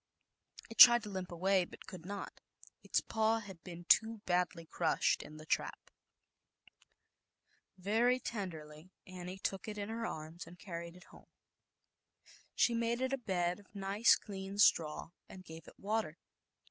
It tried to limp away, but could not; its paw had been too"\ badl^jCrushed in ie trap. Very tenderly Annie took it rrm ra V ZAUBERLINDA, THE WISE WITCH. 37 in her arms and carried it home. She made it a bed of nice clean straw and gave it water.